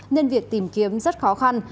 nên việc tìm kiếm rất khó khăn